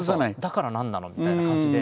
「だから何なの」みたいな感じで。